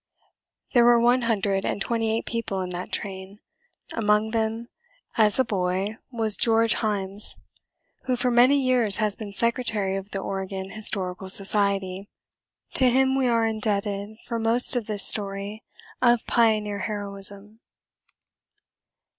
There were one hundred and twenty eight people in that train. Among them, as a boy, was George Himes, who for many years has been Secretary of the Oregon Historical Society. To him we are indebted for most of this story of pioneer heroism.